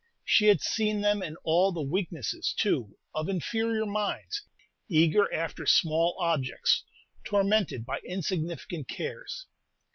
She had seen them in all the weaknesses, too, of inferior minds, eager after small objects, tormented by insignificant cares.